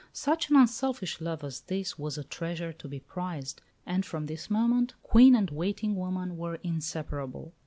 Such an unselfish love as this was a treasure to be prized; and from this moment Queen and waiting woman were inseparable.